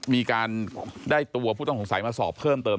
มีการได้ตัวผู้ต้องสงสัยมาสอบเพิ่มเติม